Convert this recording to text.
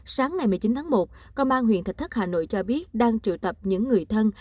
sáng ngày một mươi chín tháng một công an huyện thạch thất hà nội cho biết đang triệu tập những người thân